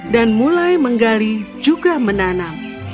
dan mulai menggali juga menanam